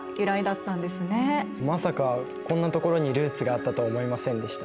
まさかこんなところにルーツがあったとは思いませんでした。